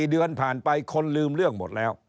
๔เดือนผ่านไปคนลืมเรื่องหมดแล้ว